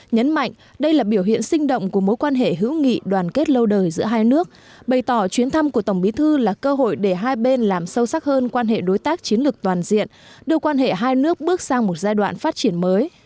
nhấn mạnh đây là biểu hiện sinh động của mối quan hệ hữu nghị đoàn kết lâu đời giữa hai nước bày tỏ chuyến thăm của tổng bí thư là cơ hội để hai bên làm sâu sắc hơn quan hệ đối tác chiến lược toàn diện đưa quan hệ hai nước bước sang một giai đoạn phát triển mới